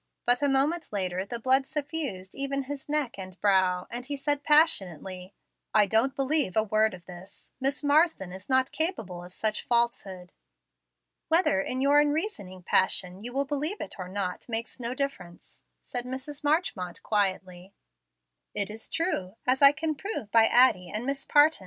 But a moment later the blood suffused even his neck and brow, and he said passionately, "I don't believe a word of this; Miss Marsden is not capable of such falsehood." "Whether in your unreasoning passion you will believe it or not makes no difference," said Mrs. Marchmont, quietly. "It is true, as I can prove by Addie and Miss Parton."